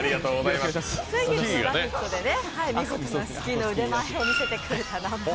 先月の「ラヴィット！」で見事なスキーの腕前を見せてくれた南波さんです。